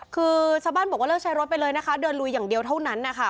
คือชาวบ้านบอกว่าเลิกใช้รถไปเลยนะคะเดินลุยอย่างเดียวเท่านั้นนะคะ